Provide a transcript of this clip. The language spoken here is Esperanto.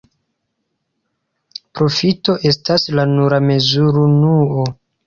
Profito estas la nura mezurunuo.